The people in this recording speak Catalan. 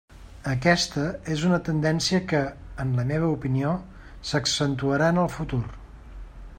Aquesta és una tendència que, en la meva opinió, s'accentuarà en el futur.